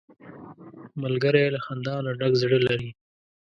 ملګری له خندا نه ډک زړه لري